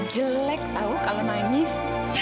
jelek tahu kalau nangis